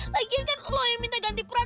lagian kan lo yang minta ganti pakaian